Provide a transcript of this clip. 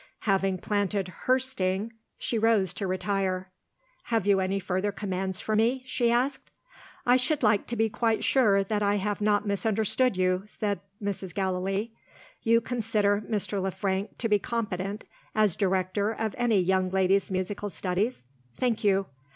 Having planted her sting, she rose to retire. "Have you any further commands for me?" she asked. "I should like to be quite sure that I have not misunderstood you," said Mrs. Gallilee. "You consider Mr. Le Frank to be competent, as director of any young lady's musical studies? Thank you.